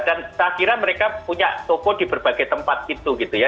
dan saya kira mereka punya toko di berbagai tempat gitu ya